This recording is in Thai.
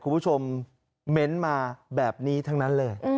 คุณผู้ชมเม้นต์มาแบบนี้ทั้งนั้นเลย